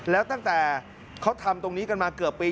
แล้วตั้งแต่เขาทำตรงนี้กันมาเกือบปี